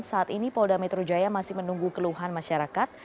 saat ini polda metro jaya masih menunggu keluhan masyarakat